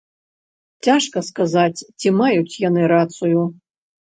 Цяжка сказаць, ці маюць яны рацыю.